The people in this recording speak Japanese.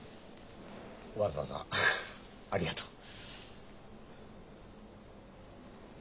わざわざありがとう。